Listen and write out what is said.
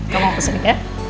kau mau pesen ya